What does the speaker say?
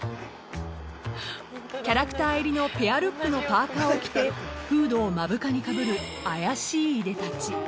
［キャラクター入りのペアルックのパーカを着てフードを目深にかぶる怪しいいでたち］